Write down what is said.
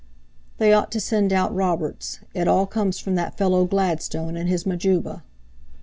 "They ought to send out Roberts. It all comes from that fellow Gladstone and his Majuba."